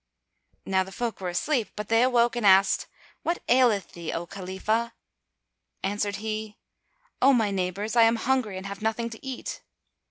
Now the folk were asleep; but they awoke and asked, "What aileth thee, O Khalifah?" Answered he, "O my neighbours, I am hungry and have nothing to eat."